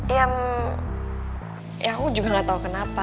ya aku juga gak tau kenapa